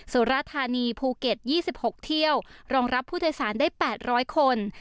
สุรทานีภูเก็ตยี่สิบหกเที่ยวรองรับผู้โดยสารได้แปดร้อยคน